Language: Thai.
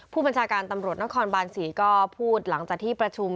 ผู้บัญชาการตำรวจนครบาน๔ก็พูดหลังจากที่ประชุม